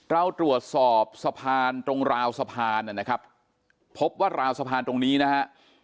เราตรวจสอบสะพานตรงราวสะพานนะครับพบว่าราวสะพานตรงนี้นะฮะ